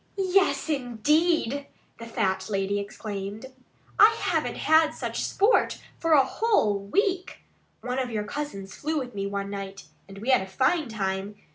"Yes, indeed!" the fat lady exclaimed. "I haven't had such sport for a whole week. One of your cousins flew with me one night. And we had a fine time.